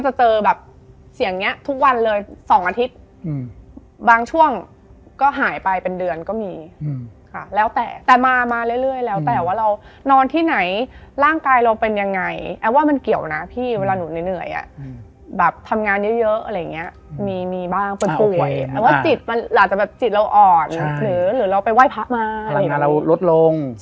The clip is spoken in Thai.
แต่ภาพที่ทุกคนเห็นคือเรากอดเข่าแล้วเรานั่งตาเหลือง